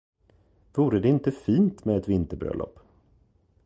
Vore det inte fint med ett vinterbröllop?